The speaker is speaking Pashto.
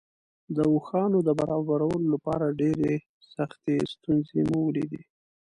د اوښانو د برابرولو لپاره ډېرې سختې ستونزې مو ولیدې.